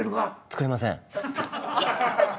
作れません。